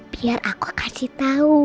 biar aku kasih tau